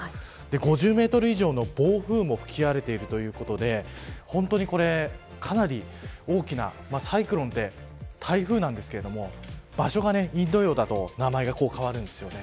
５０メートル以上の暴風も吹き荒れているということで本当に、かなり大きなサイクロンって台風なんですけど場所がインド洋だと名前がこう変わるんですね。